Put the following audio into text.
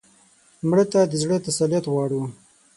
مړه ته د زړه تسلیت غواړو